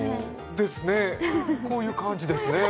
ですね、こういう感じですね